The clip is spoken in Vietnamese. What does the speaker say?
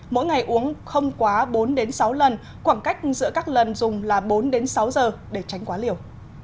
mỗi ngày uống không quá bốn sáu lần khoảng cách giữa các lần dùng là bốn sáu giờ để tránh quá liều